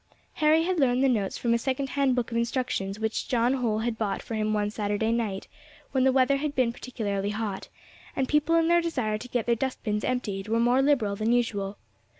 Harry had learned the notes from a secondhand book of instructions which John Holl had bought for him one Saturday night, when the weather had been particularly hot, and people in their desire to get their dust bins emptied were more liberal than usual.